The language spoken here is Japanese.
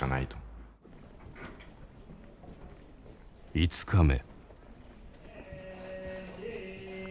５日目。